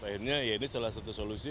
akhirnya ya ini salah satu solusi